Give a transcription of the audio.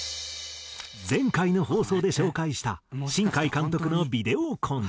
前回の放送で紹介した新海監督のビデオコンテ。